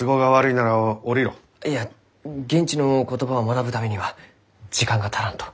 いや現地の言葉を学ぶためには時間が足らんと。